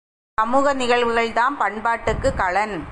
சமூக நிகழ்வுகள் தாம் பண்பாட்டுக்குக் களன்.